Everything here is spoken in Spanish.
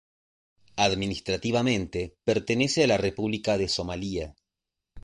Administrativamente, pertenece a la República de Somalia.